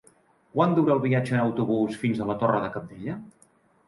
Quant dura el viatge en autobús fins a la Torre de Cabdella?